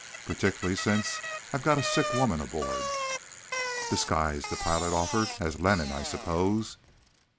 Particularly since I've got a sick woman aboard." "Disguised," the pilot offered, "as Lenin, I suppose."